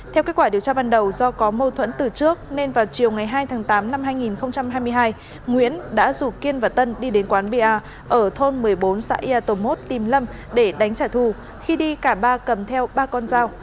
theo kết quả điều tra ban đầu do có mâu thuẫn từ trước nên vào chiều ngày hai tháng tám năm hai nghìn hai mươi hai nguyễn đã rủ kiên và tân đi đến quán bia ở thôn một mươi bốn xã yà tô tìm lâm để đánh trả thù khi đi cả ba cầm theo ba con dao